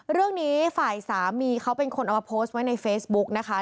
เรื่องนี้ฝ่ายสามีเขาเป็นคนเอามาโพสต์ไว้ในเฟซบุ๊กนะคะ